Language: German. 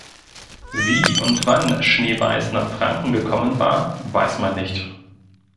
Wie und wann Schneeweiß nach Franken gekommen war, weiß man nicht.